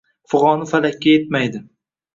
fig‘oni falakka yetmaydi.